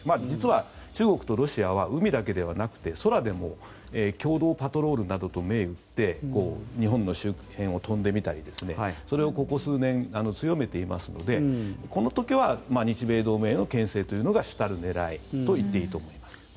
実は中国とロシアは海だけではなくて空でも共同パトロールなどと銘打って日本の周辺を飛んでみたりそれをここ数年強めていますのでこの時は日米同盟へのけん制というのが主たる狙いといっていいと思います。